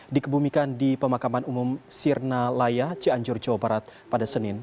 dikebumikan di pemakaman umum sirna laya cianjur jawa barat pada senin